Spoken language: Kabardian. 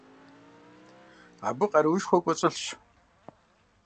Абы къаруушхуэ кӀуэцӀылъщ.